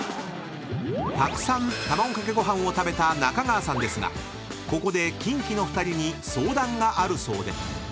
［たくさんたまごかけごはんを食べた中川さんですがここでキンキの２人に相談があるそうで］